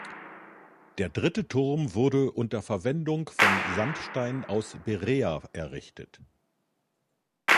Der dritte Turm wurde unter Verwendung von Sandstein aus Berea errichtet.